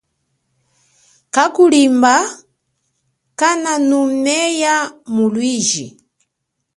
Kakhulimba kananumeya mulwiji.